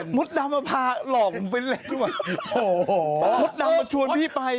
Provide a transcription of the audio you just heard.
งดดำมาพาหล่อมเป็นอะไรด้วยว่ะโอ้โหงดดำมาชวนพี่ไป